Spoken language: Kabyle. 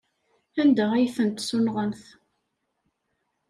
Anda ay ten-tessunɣemt?